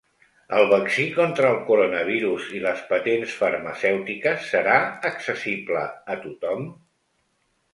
El vaccí contra el coronavirus i les patents farmacèutiques: serà accessible a tothom?